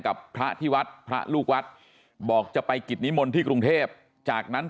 กับพระที่วัดพระลูกวัดบอกจะไปกิจนิมนต์ที่กรุงเทพจากนั้น